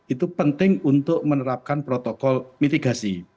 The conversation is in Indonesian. itu penting untuk menerapkan protokol mitigasi